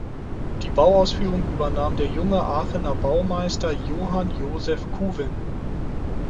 Die Bauausführung übernahm der junge Aachener Baumeister Johann Joseph Couven.